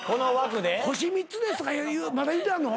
「星三つです」とかまだ言うてはんの？